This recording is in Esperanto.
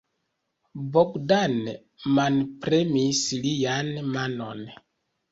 Bogdan manpremis lian manon.